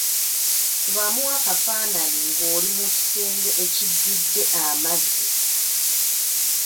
Kubamu akafaananyi ng'oli mu kisenge ekijjudde amazzi.